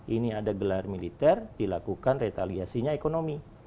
ini ada gelar militer dilakukan retaliasinya ekonomi